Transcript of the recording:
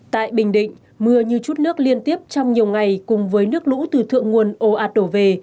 tại bình định mưa như chút nước liên tiếp trong nhiều ngày cùng với nước lũ từ thượng nguồn ồ ạt đổ về